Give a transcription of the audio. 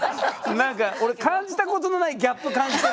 何か俺感じたことのないギャップ感じてるから。